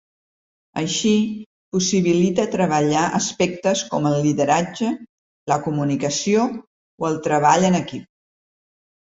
Així, possibilita treballar aspectes com el lideratge, la comunicació o el treball en equip.